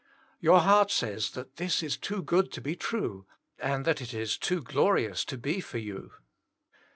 Your heart says that this is too good to be true, and that it is too glorious to be for you.